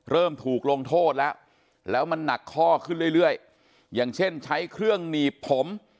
เริ่มถูกลงโทษแล้วแล้วมันหนักข้อขึ้นเรื่อยอย่างเช่นใช้เครื่องหนีบผม